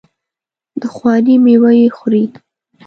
د خواري میوه یې خوري.